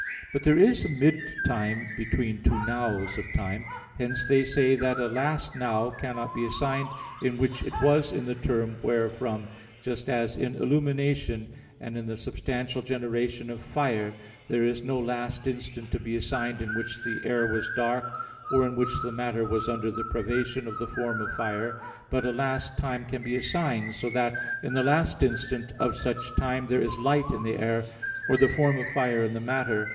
But there is a mid time between two "nows" of time: hence they say that a last "now" cannot be assigned in which it was in the term wherefrom, just as in illumination, and in the substantial generation of fire, there is no last instant to be assigned in which the air was dark, or in which the matter was under the privation of the form of fire: but a last time can be assigned, so that in the last instant of such time there is light in the air, or the form of fire in the matter.